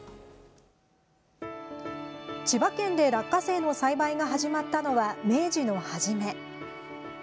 千葉県で落花生の栽培が始まったのは、明治の初め。